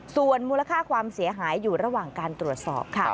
ส่วนมูลค่าความเสียหายอยู่ระหว่างการตรวจสอบค่ะ